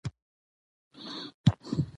او نه مې څوک وژلي قسم خورم.